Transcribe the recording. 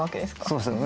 そうですね。